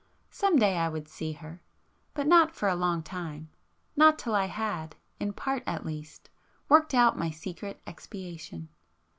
Some day I would see her, ... but not for a long time, ... not till I had, in part at least, worked out my secret expiation.